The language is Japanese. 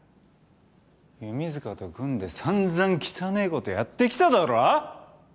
弓塚と組んでさんざん汚えことやってきただろ？